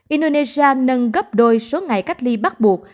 indonesia nâng gấp đôi số ngày cách ly bắt buộc